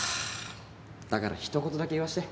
だからひと言だけ言わせて。